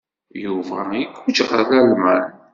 Yuba iguǧǧ ɣer Lalman.